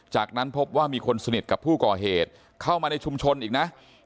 จากนั้นพบว่ามีคนสนิทกับผู้ก่อเหตุเข้ามาในชุมชนอีกนะ